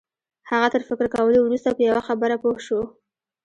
هغه تر فکر کولو وروسته په یوه خبره پوه شو